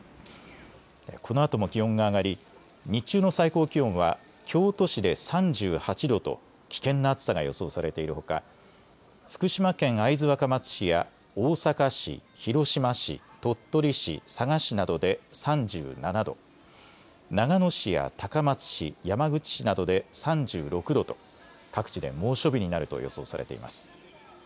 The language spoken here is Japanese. このあとも気温が上がり日中の最高気温は京都市で３８度と危険な暑さが予想されているほか、福島県会津若松市や大阪市、広島市、鳥取市、佐賀市などで３７度、長野市や高松市、山口市などで３６度と各地で猛暑日になると予想されています。